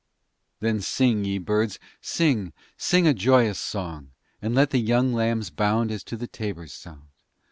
Then, sing ye Birds, sing, sing a joyous song! And let the young Lambs bound As to the tabor's sound!